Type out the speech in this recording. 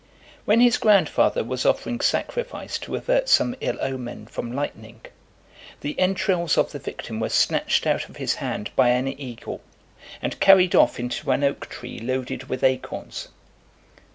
When his grandfather was offering sacrifice to (403) avert some ill omen from lightning, the entrails of the victim were snatched out of his hand by an eagle, and carried off into an oak tree loaded with acorns.